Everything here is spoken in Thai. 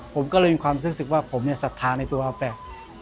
ผมก็เลยเป็นความซึ้งศึกว่าผมเนี้ยสัทธาในตัวอับแบะ